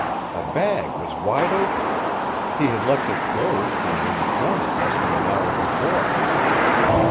A bag was wide open; he had left it closed and in a corner less than an hour before.